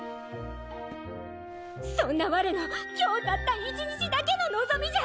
そんな我の今日たった１日だけの望みじゃ！